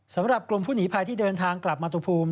สำหรับกลุ่มผู้หนีภัยที่เดินทางกลับมาตุภูมิ